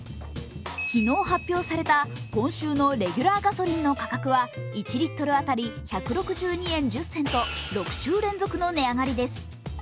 昨日発表された今週のレギュラーガソリンの価格は１リットル当たり１６２円１０銭と６週連続の値上がりです。